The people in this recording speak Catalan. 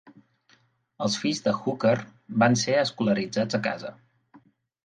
Els fills de Hooker van ser escolaritzats a casa.